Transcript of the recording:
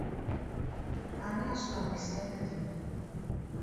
Ani asula mu kisenge kino?